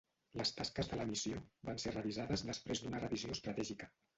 Les tasques de la missió van ser revisades després d'una revisió estratègica.